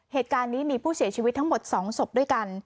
เหตุการณ์นี้มีผู้เสียชีวิตทั้งหมด๒ศพด้วยกัน